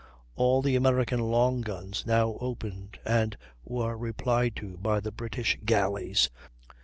All the American long guns now opened and were replied to by the British galleys.